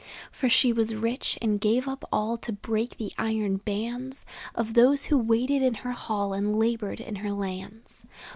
For she was rich, and gave up all To break the iron bands Of those who waited in her hall, And labored in her lands.